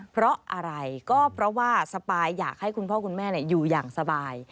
เพราะอะไรก็เพราะว่าสปายอยากให้คุณพ่อคุณแม่อยู่อย่างสบาย